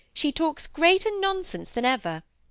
she talks greater nonsense than ever.